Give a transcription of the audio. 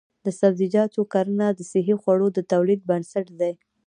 د سبزیجاتو کرنه د صحي خوړو د تولید بنسټ دی.